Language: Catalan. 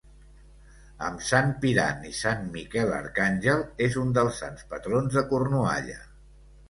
Amb Sant Piran i Sant Miquel Arcàngel, és un dels sants patrons de Cornualla.